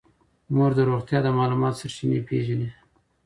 مور د روغتیا د معلوماتو سرچینې پېژني.